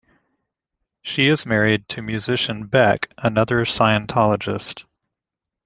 She is married to musician Beck, another Scientologist.